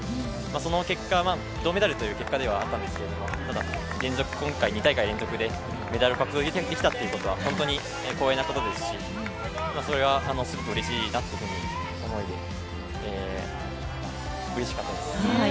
その結果は銅メダルという結果だったんですけれども、２大会連続でメダルを獲得できたということは本当に光栄なことですしそれはすごくうれしいなという思いでした。